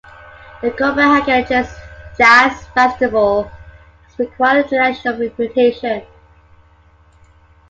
The Copenhagen Jazz Festival has acquired an international reputation.